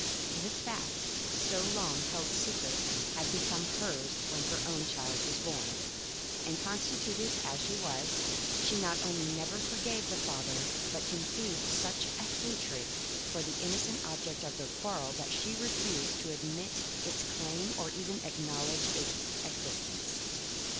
This fact, so long held secret, had become hers when her own child was born; and constituted as she was, she not only never forgave the father, but conceived such a hatred for the innocent object of their quarrel that she refused to admit its claims or even to acknowledge its existence.